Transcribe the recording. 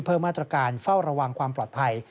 เพิ่มมาตรการเฝ้าระวังความปลอดภัย